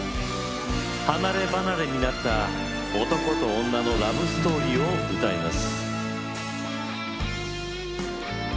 離れ離れになった男と女のラブストーリーを歌います。